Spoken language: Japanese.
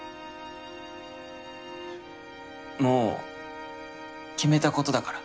もう決めたことだから。